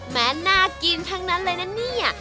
น่ากินทั้งนั้นเลยนะเนี่ย